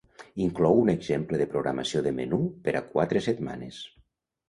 Inclou un exemple de programació de menú per a quatre setmanes.